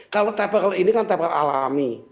kalau tabikel ini kan tabikel alami